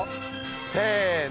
せの。